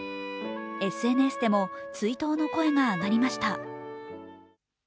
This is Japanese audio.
ＳＮＳでも追悼の声が上がりました。